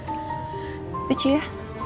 itu ci ya